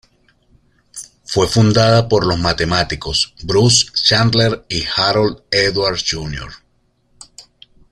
Fue fundada por los matemáticos Bruce Chandler y Harold Edwards Jr.